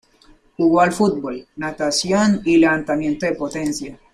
Jugó al fútbol, natación y levantamiento de potencia.